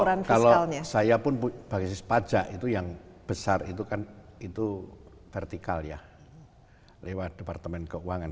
kalau saya pun basis pajak itu yang besar itu kan itu vertikal ya lewat departemen keuangan